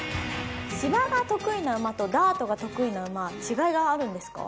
芝が得意な馬とダートが得意な馬違いがあるんですか？